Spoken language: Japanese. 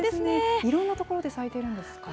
いろんな所で咲いてるんですか。